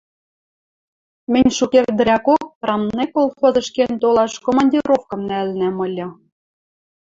Мӹнь шукердӹрӓкок «Прамнэк» колхозыш кен толаш командировкым нӓлӹнӓм ыльы.